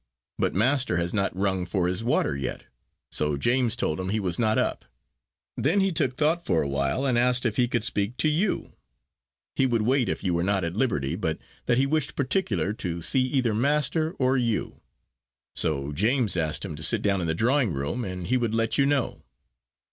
But master has not rung for his water yet, so James told him he was not up. Then he took thought for a while, and asked could he speak to you, he would wait if you were not at liberty but that he wished particular to see either master, or you. So James asked him to sit down in the drawing room, and he would let you know."